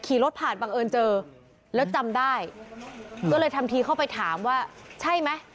รถผ่านบังเอิญเจอแล้วจำได้ก็เลยทำทีเข้าไปถามว่าใช่ไหม